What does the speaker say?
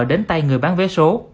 đến tay người bán vé số